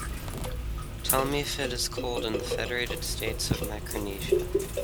Tell me if it is cold in Federated States Of Micronesia